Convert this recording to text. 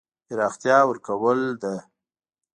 پراختیا ورکول ده.